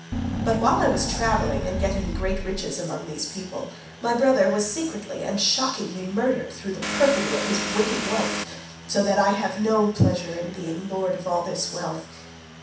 But while I was travelling and getting great riches among these people, my brother was secretly and shockingly murdered through the perfidy of his wicked wife, so that I have no pleasure in being lord of all this wealth.